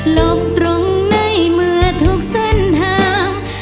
ลบตรงในเมื่อทุกเส้นทาง